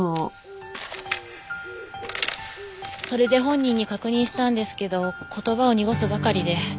それで本人に確認したんですけど言葉を濁すばかりで。